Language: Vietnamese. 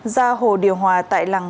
ra hồ điều hòa tại làng